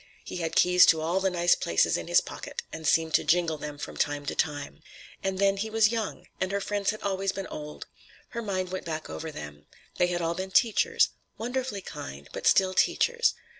He had keys to all the nice places in his pocket, and seemed to jingle them from time to time. And then, he was young; and her friends had always been old. Her mind went back over them. They had all been teachers; wonderfully kind, but still teachers.